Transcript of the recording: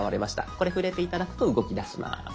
これ触れて頂くと動きだします。